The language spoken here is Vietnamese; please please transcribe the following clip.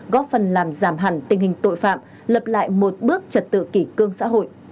góp phần làm giảm hẳn tình hình tội phạm lập lại một bước trật tự kỷ cương xã hội